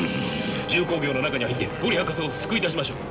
重工業の中に入って五里博士を救い出しましょう。